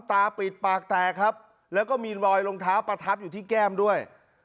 ตาปิดปากแตกครับแล้วก็มีรอยรองเท้าประทับอยู่ที่แก้มด้วย